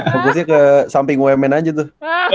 fokusnya ke samping bumn aja tuh